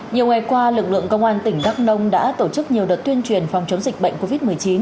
nhiều ngày qua lực lượng công an tỉnh đắk nông đã tổ chức nhiều đợt tuyên truyền phòng chống dịch bệnh covid một mươi chín